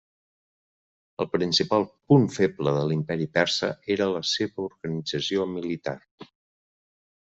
El principal punt feble de l'imperi persa era la seva organització militar.